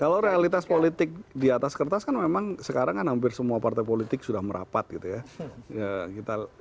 kalau realitas politik di atas kertas kan memang sekarang kan hampir semua partai politik sudah merapat gitu ya